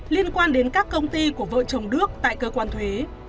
liên quan đến các công ty của vợ chồng đước tại cơ quan thuế